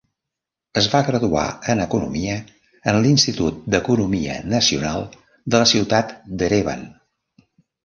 Es va graduar en Economia en l'Institut d'Economia Nacional de la ciutat d'Erevan.